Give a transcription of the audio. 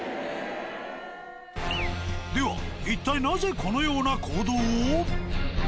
では一体なぜこのような行動を？